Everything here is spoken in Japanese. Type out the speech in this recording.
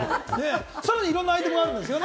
さらにいろんなアイテムがあるんですよね。